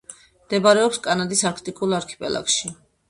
მდებარეობს კანადის არქტიკულ არქიპელაგში.